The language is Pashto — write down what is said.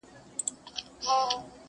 دا نور وزېږي، زلمي سي، بیا زاړه سي٫